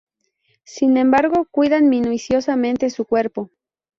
Sin embargo, cuidan minuciosamente su cuerpo.